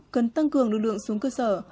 cần tăng cường lực lượng xuống cơ sở